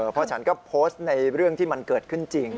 พอฉันก็โพสต์ในเรื่องที่มันเกิดขึ้นจริง